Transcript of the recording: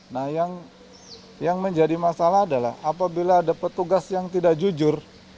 nah yang menjadi masalah adalah apabila ada petugas yang tidak jujur